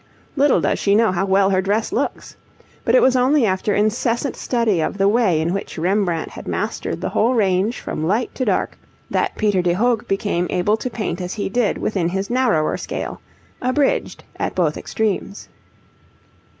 Little does she know how well her dress looks. But it was only after incessant study of the way in which Rembrandt had mastered the whole range from light to dark, that Peter de Hoogh became able to paint as he did within his narrower scale, abridged at both extremes.